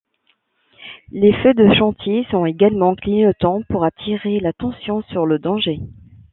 Les feux de chantier sont également clignotants pour attirer l'attention sur le danger.